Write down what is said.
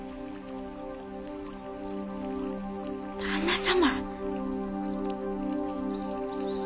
旦那様。